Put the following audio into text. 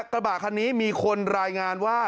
กระบะคันนี้มีคนรายงานว่า